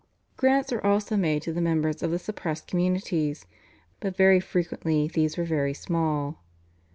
Grants were also made to the members of the suppressed communities, but very frequently these were very small.